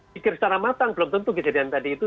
pikir secara matang belum tentu kejadian tadi itu